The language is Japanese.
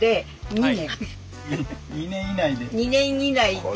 ２年以内で。